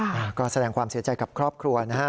แสดงความเสียใจกับครอบครัวนะฮะ